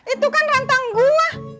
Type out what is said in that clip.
itu kan rantang gua